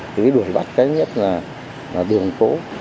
cái đuổi bắt cái nhất là đường cổ